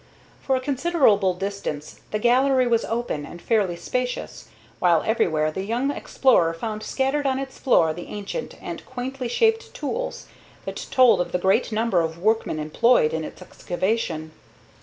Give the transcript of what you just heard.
For a considerable distance the gallery was open and fairly spacious, while everywhere the young explorer found scattered on its floor the ancient and quaintly shaped tools that told of the great number of workmen employed in its excavation.